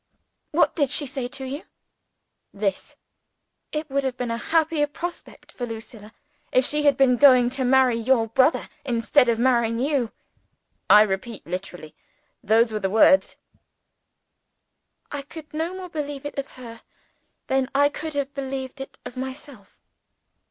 "What did she say to you?" "This: 'It would have been a happier prospect for Lucilla, if she had been going to marry your brother, instead of marrying you.' I repeat literally: those were the words." I could no more believe it of her than I could have believed it of myself.